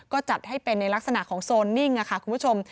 ก็จัดให้เป็นในลักษณะของโซนนิ่งค่ะคุณผู้ชม